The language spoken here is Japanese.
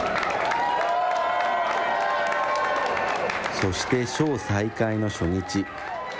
そしてショー再開の初日。